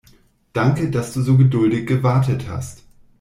Danke, dass du so geduldig gewartet hast.